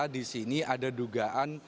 kita disini ada dugaan